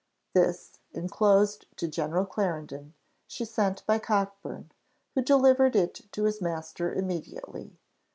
This, enclosed to General Clarendon, she sent by Cockburn, who delivered it to his master immediately.